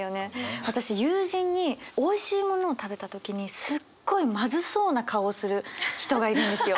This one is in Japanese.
私友人においしいものを食べた時にすっごいまずそうな顔をする人がいるんですよ。